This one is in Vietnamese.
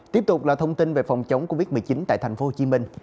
tiếp tục là thông tin về phòng chống covid một mươi chín tại thành phố hồ chí minh